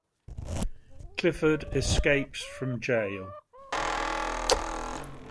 Clifford escapes from jail.